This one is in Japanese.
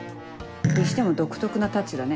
にしても独特なタッチだね。